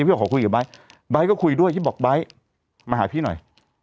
พี่บอกขอคุยกับไบร์ทไบร์ทก็คุยด้วยพี่บอกไบร์ทมาหาพี่หน่อย